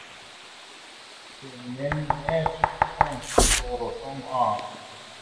Senden näçe ötünç sorasam az.